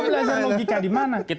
kamu belajar logika dimana